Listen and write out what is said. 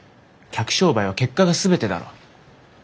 客商売は結果が全てだろ。